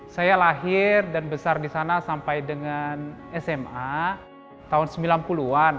saya lahir dan besar di sana sampai dengan sma tahun sembilan puluh an